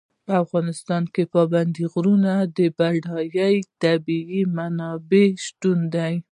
په افغانستان کې د پابندي غرونو بډایه طبیعي منابع شته دي.